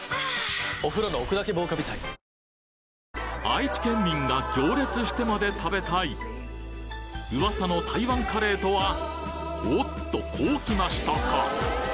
愛知県民が行列してまで食べたい噂の台湾カレーとはおおっとこうきましたか